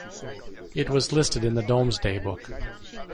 It was listed in the Domesday book.